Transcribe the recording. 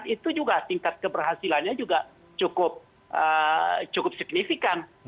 itu juga tingkat keberhasilannya juga cukup signifikan